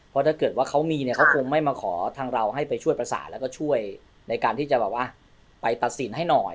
เพราะถ้าเกิดว่าเขามีเนี่ยเขาคงไม่มาขอทางเราให้ไปช่วยประสานแล้วก็ช่วยในการที่จะแบบว่าไปตัดสินให้หน่อย